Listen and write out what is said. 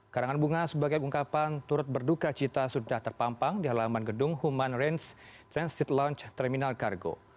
karangan bunga sebagai ungkapan turut berduka cita sudah terpampang di halaman gedung human range transit launch terminal kargo